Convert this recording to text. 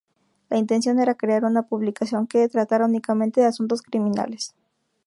La intención era crear una publicación que tratara únicamente de asuntos criminales.